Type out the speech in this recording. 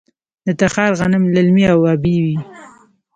د تخار غنم للمي او ابي وي.